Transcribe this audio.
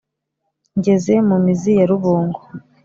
ngeze mu mizi ya rubungo,